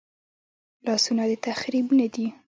لاسونه د تخریب نه دي